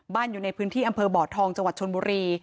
อยู่ในพื้นที่อำเภอบ่อทองจังหวัดชนบุรี